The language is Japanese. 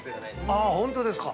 ◆ああ、本当ですか。